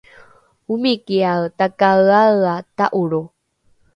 omikiae takaeaea ta’olro